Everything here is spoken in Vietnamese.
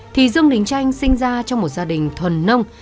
thì dương đình chanh sinh ra trong một gia đình thuần nông